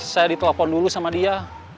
saya ditelepon dulu sama dia